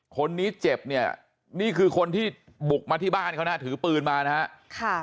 คนนี้เจ็บเนี่ยนี่คือคนที่บุกมาที่บ้านเขานะถือปืนมานะฮะ